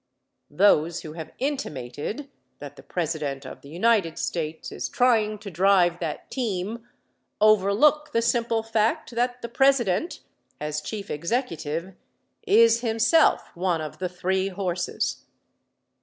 Those who have intimated that the President of the United States is trying to drive that team, overlook the simple fact that the President, as Chief Executive, is himself one of the three horses.